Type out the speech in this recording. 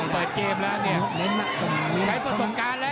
โอ้โหโอ้โหโอ้โหโอ้โห